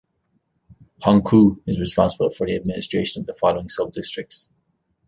Hongkou is responsible for the administration of the following subdistricts.